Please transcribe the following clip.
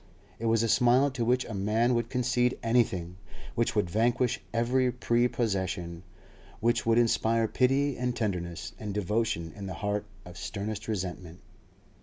It was a smile to which a man would concede anything, which would vanquish every prepossession, which would inspire pity and tenderness and devotion in the heart of sternest resentment.